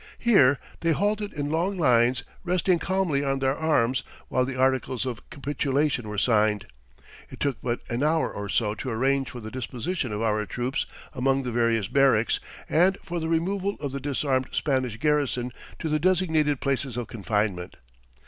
Here they halted in long lines, resting calmly on their arms until the articles of capitulation were signed. It took but an hour or so to arrange for the disposition of our troops among the various barracks and for the removal of the disarmed Spanish garrison to the designated places of confinement.